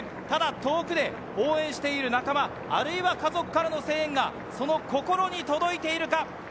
ただ遠くで応援している仲間、家族からの声援が心に届いているか？